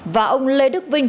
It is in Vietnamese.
và ông lê đức vinh